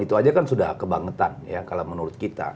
itu aja kan sudah kebangetan ya kalau menurut kita